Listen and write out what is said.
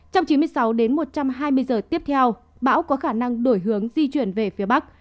trong chín mươi sáu đến một trăm hai mươi giờ tiếp theo bão có khả năng đổi hướng di chuyển về phía bắc